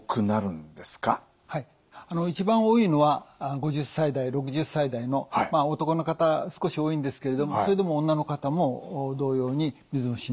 一番多いのは５０歳代６０歳代のまあ男の方少し多いんですけれどもそれでも女の方も同様に水虫になります。